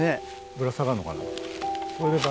ぶら下がんのかな？